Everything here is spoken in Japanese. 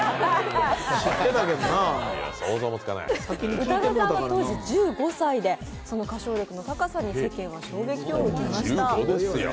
宇多田さんは当時、１５歳で、その歌唱力の高さに世間は衝撃を受けました。